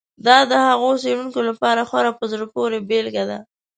دا د هغو څېړونکو لپاره خورا په زړه پورې بېلګه ده.